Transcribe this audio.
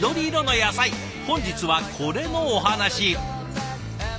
本日はこれのお話。